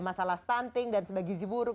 masalah stunting dan sebagai gizi buruk